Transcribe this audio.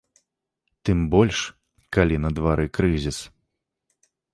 Тым больш, калі на двары крызіс.